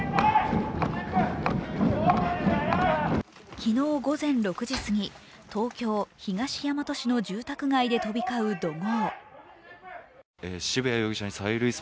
昨日午前６時過ぎ東京・東大和市の住宅街で飛び交う怒号。